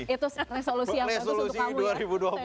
itu resolusi yang bagus untuk kamu ya